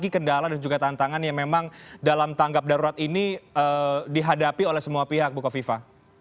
kendala dan juga tantangan yang memang dalam tanggap darurat ini dihadapi oleh semua pihak bukoviva